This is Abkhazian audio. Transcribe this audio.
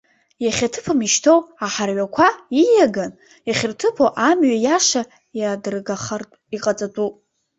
Иахьаҭыԥым ишьҭоу аҳарҩақәа ииаган, иахьырҭыԥу, амҩа иаша иадыргахартә иҟаҵатәуп.